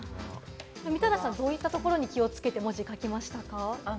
みたらしさん、どういったところに気をつけて文字を書きましたか？